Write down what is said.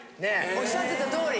おっしゃってた通り。